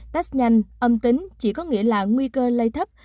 test nhanh âm tính chỉ có nghĩa là nguy cơ lây thấp